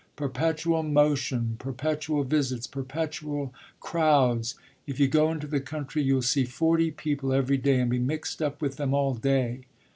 "Perpetual motion, perpetual visits, perpetual crowds! If you go into the country you'll see forty people every day and be mixed up with them all day.